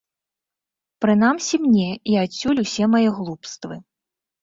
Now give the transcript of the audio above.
Прынамсі мне і адсюль усе мае глупствы.